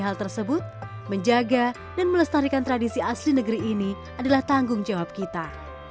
hal tersebut menjaga dan melestarikan tradisi asli negeri ini adalah tanggung jawab kita